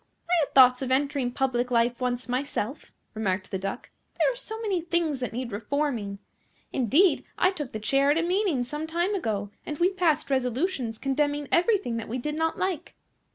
"I had thoughts of entering public life once myself," remarked the Duck; "there are so many things that need reforming. Indeed, I took the chair at a meeting some time ago, and we passed resolutions condemning everything that we did not like.